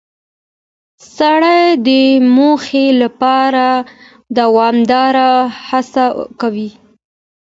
سړی د موخې لپاره دوامداره هڅه کوي